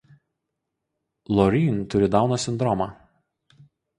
Lauren turi Dauno sindromą.